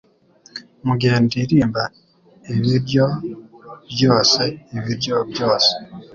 Mugihe ndirimba, Ibiryo byose, ibiryo byose,